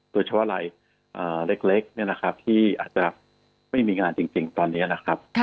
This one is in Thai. ตัวชาวไร่เล็กที่อาจจะไม่มีงานจริงตอนนี้นะครับ